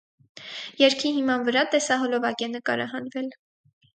Երգի հիման վրա տեսահոլովակ է նկարահանվել։